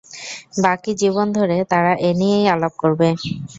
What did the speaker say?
বাকি জীবন ধরে তারা এ নিয়েই আলাপ করবে।